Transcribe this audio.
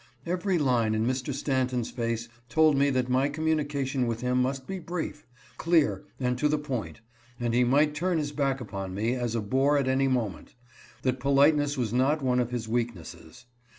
Every line in Mr. Stanton's face told me that my communication with him must be brief, clear, and to the point ; that he might turn his back upon me as a bore at any moment ; that politeness was not one of his weaknesses.